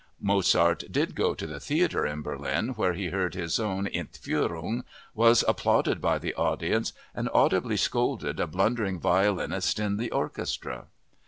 Mozart did go to the theater in Berlin where he heard his own Entführung, was applauded by the audience, and audibly scolded a blundering violinist in the orchestra!